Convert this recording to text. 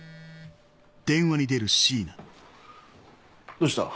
どうした？